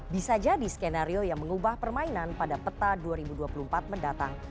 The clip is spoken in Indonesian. bisa jadi skenario yang mengubah permainan pada peta dua ribu dua puluh empat mendatang